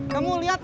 kamu lihat gak